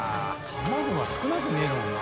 卵が少なく見えるもんな。